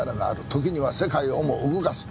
時には世界をも動かす。